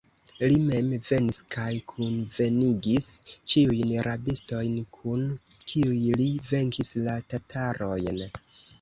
Li mem venis kaj kunvenigis ĉiujn rabistojn, kun kiuj li venkis la tatarojn.